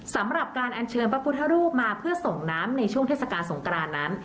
สำหรับการอัญเชิญพระพุทธรูปมาเพื่อส่งน้ำในช่วงเทศกาลสงกรานนั้น